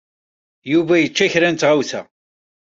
Yuba yečča kra n tɣawsa.